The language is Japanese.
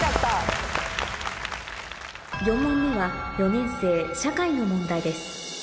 ４問目は４年生社会の問題です